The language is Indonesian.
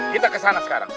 kita kesana sekarang